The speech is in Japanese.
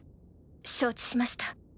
承知しました。